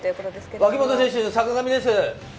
脇本選手、坂上です。